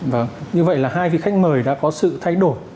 vâng như vậy là hai vị khách mời đã có sự thay đổi